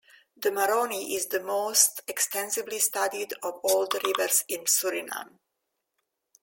The Maroni is the most extensively studied of all the rivers in Suriname.